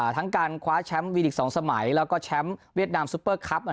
ทั้งการคว้าแชมป์วีลิก๒สมัยแล้วก็แชมป์เวียดนามซุปเปอร์คลับ